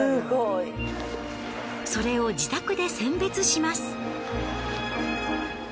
それを自宅で選別します。